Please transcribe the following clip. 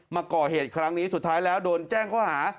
มาก่อเหตุครั้งนี้สุดท้ายแล้วโดนแจ้งข้อหา